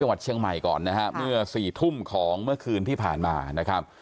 เมื่อ๔ทุ่มของเมื่อคืนที่ผ่านมานะครับ